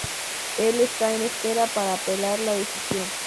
Él está en espera para apelar la decisión.